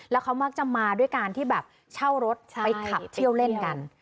แล้วเขามักจะมาด้วยการที่แบบเช่ารถไปขับเที่ยวเล่นกัน